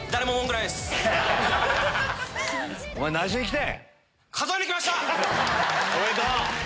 おめでとう。